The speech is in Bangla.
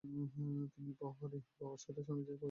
তিনিই পওহারী বাবার সহিত স্বামীজীর পরিচয় করাইয়া দেন।